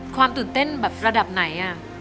ความตื่นเต้นแบบระดับไหน